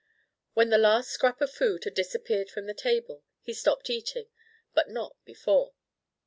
When the last scrap of food had disappeared from the table, he stopped eating, but not before.